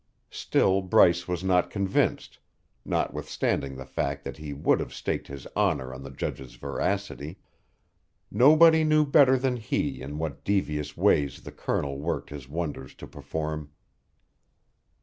Still Bryce was not convinced, notwithstanding the fact that he would have staked his honour on the Judge's veracity. Nobody knew better than he in what devious ways the Colonel worked, his wonders to perform.